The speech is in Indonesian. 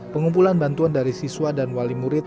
pengumpulan bantuan dari siswa dan wali murid